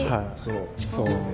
そう。